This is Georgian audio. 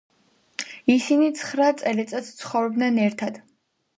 ისინი ცხრა წელიწადს ცხოვრობდნენ ერთად.